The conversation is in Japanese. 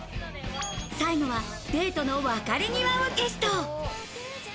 最後はデートの別れ際をテスト。